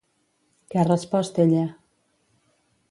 Què ha respost ella?